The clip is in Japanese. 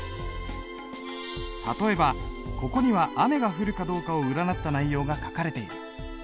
例えばここには雨が降るかどうかを占った内容が書かれている。